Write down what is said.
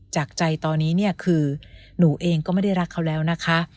จากใจตอนนี้เนี่ยคือหนูเองก็ไม่ได้รักเขาแล้วนะคะ